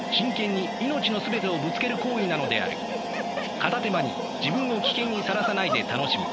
片手間に自分を危険にさらさないで楽しむ。